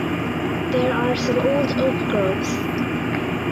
There are some old oak groves.